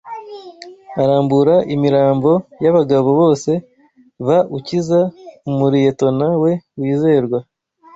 Arambura imirambo y'abagabo bose ba ukiza umuliyetona we wizerwa